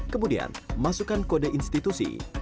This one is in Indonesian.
kemudian masukkan kode institusi